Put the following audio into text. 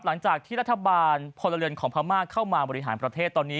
หลังจากที่รัฐบาลพลเรือนของพม่าเข้ามาบริหารประเทศตอนนี้